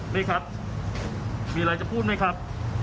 นี่ครับมีอะไรจะพูดไหมครับ